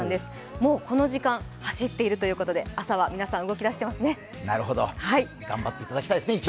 もうこの時間走っているということで、朝は皆さん、動き出していますね。